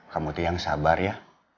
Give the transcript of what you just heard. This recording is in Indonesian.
kamu tuh yang sabar ya